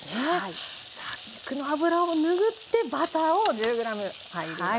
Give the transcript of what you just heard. さあ肉の脂をぬぐってバターを１０ｇ入りました。